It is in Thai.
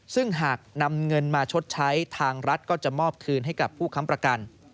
ซึ่งหากนำเงินมาชดใช้ทางรัฐก็จะมอบคืนให้กับผู้ค้ำประกัน